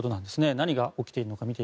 何が起きているのか。